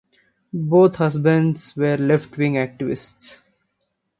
Both husbands were left wing activists.